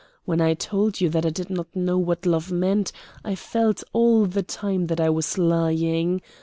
When I told you that I did not know what love meant I felt all the time that I was lying.